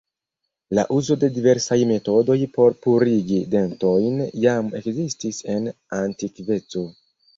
La uzo de diversaj metodoj por purigi dentojn jam ekzistis en antikveco.